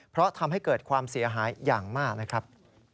เพราะทำให้เกิดความเสียหายอย่างมากนะครับ